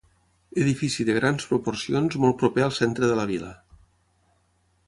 Edifici de grans proporcions molt proper al centre de la vila.